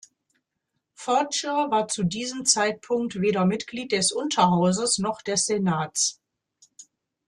Fortier war zu diesem Zeitpunkt weder Mitglied des Unterhauses noch des Senats.